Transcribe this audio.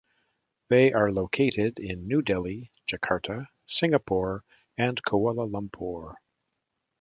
They are located in New Delhi, Jakarta, Singapore and Kuala Lumpur.